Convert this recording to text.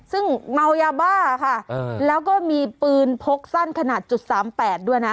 ซึ่งเมายาบ้าค่ะแล้วก็มีปืนพกสั้นขนาดจุดสามแปดด้วยนะ